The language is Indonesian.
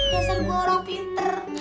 biasanya gua orang pinter